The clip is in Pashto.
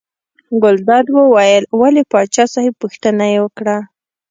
ګلداد وویل ولې پاچا صاحب پوښتنه یې وکړه.